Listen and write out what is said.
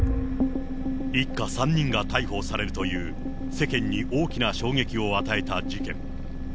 一家３人が逮捕されるという世間に大きな衝撃を与えた事件。